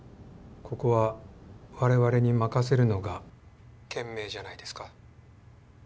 ここはわれわれに任せるのが賢明じゃないですか？